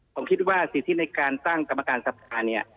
ผมคิดว่าสิทธิในการตั้งกรรมการสภาเนี่ย